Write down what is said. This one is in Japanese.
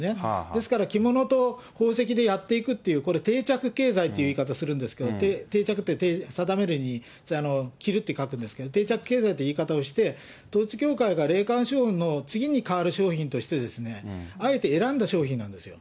ですから着物と宝石でやっていくという、これ、定着経済という言い方するんですけど、定着って定めるに着るって書くんですけど、定着経済っていう言い方をして、統一教会が霊感商法の次に代わる商品として、あえて選んだ商品なんですよ。